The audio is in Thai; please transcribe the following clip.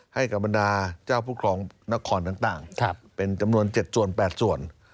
ให้กับบรรดาเจ้าผู้ครองนครต่างเป็นจำนวน๗ส่วน๘ส่วน